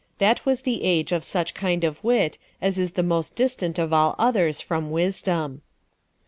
49 that was the age of such kind of wit as is the most distant of all others from, wisdom.